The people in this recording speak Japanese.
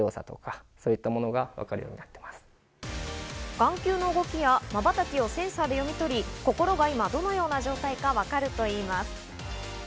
眼球の動きや、まばたきをセンサーで読み取り、心が今どのような状態かわかるといいます。